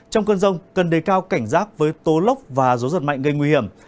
trong cơn rông cần đề cao cảnh giác với tố lốc và gió giật mạnh gây nguy hiểm